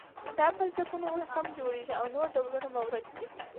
دا پلچکونه اوس کم جوړیږي او نور ډولونه مروج دي